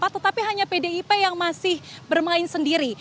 tetapi hanya pdip yang masih bermain sendiri